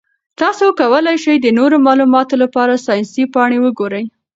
تاسو کولی شئ د نورو معلوماتو لپاره ساینسي پاڼې وګورئ.